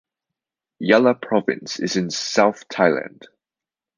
Yala Province is in south Thailand.